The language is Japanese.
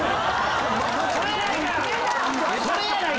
それやないか！